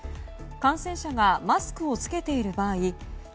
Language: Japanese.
感染者がマスクを着けている場合